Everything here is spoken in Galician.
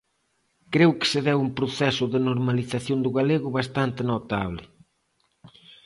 Creo que se deu un proceso de normalización do galego bastante notable.